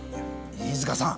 飯塚さん！